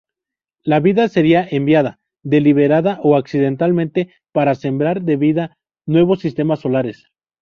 La vida sería enviada –deliberada o accidentalmente– para sembrar de vida nuevos sistemas solares.